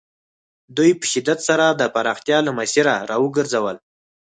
دوی په شدت سره د پراختیا له مسیره را وګرځول.